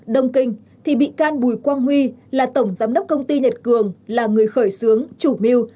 đông kinh thì bị can bùi quang huy là tổng giám đốc công ty nhật cường là người khởi xướng chủ mưu